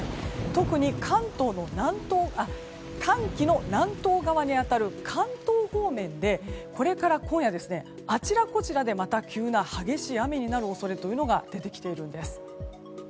特に寒気の南東側に当たる関東方面でこれから今夜、あちらこちらで急な激しい雨になる恐れが出てきているんです。